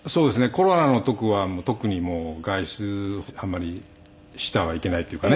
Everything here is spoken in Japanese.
コロナの時は特に外出あんまりしてはいけないというかね。